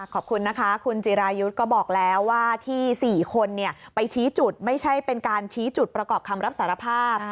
ขอบคุณนะคะคุณจิรายุทธ์ก็บอกแล้วว่าที่๔คนไปชี้จุดไม่ใช่เป็นการชี้จุดประกอบคำรับสารภาพ